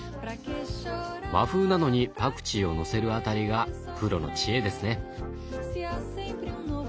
和風なのにパクチーをのせるあたりがプロの知恵ですね。